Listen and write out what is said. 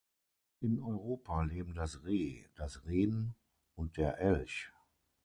In Europa leben das Reh, das Ren und der Elch.